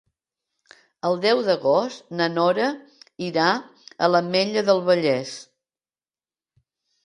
El deu d'agost na Nora irà a l'Ametlla del Vallès.